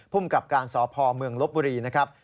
ภูมิกับการสพเมืองลบบุรีนะครับ